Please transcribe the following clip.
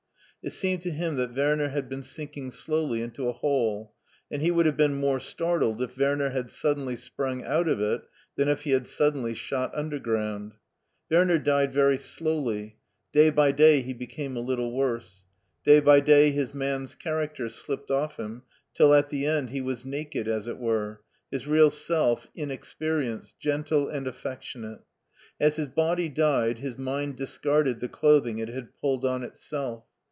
It seemed to him that Werner had been sinking slowly into a hole, and he would have been more startled if Werner had suddenly sprung out of it than if he had suddenly shot undergrotmd. Werner died very slowly; day by day he became a little worse ; day by day his man's charac* ter slipped off him, till at the end he was naked as it were, his real self, inexperienced, gentle, and affection ate. As his body died his mind discarded the clothing it had pulled on itself.